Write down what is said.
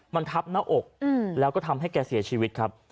มันทับหน้าอกแล้วก็ทำให้แกเสียชีวิตครับ